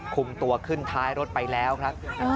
คุมตัวขึ้นท้ายรถไปแล้วครับ